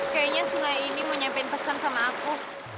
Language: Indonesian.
kayaknya sungai ini mau nyampein pesan sama aku